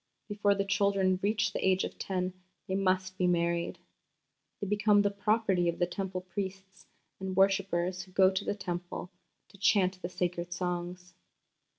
Before the children reach the age of ten they must be married. ... They become the property of the Temple priests and worshippers who go to the Temple to chant the sacred songs."